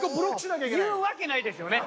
言うわけないですよね。